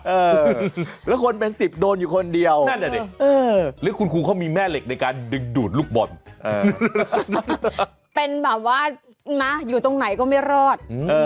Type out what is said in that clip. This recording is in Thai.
เออแล้วคนเป็นสิบโดนอยู่คนเดียวนั่นแหละเนี่ยหรือคุณครูเขามีแม่เหล็กในการดึงดูดลูกบอด